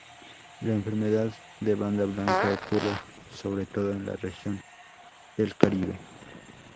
La enfermedad de banda blanca ocurre sobre todo en la región del Caribe.